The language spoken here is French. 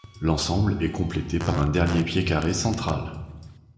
L'ensemble est complété par un dernier pied carré central.